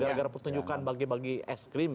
gara gara pertunjukan bagi bagi es krim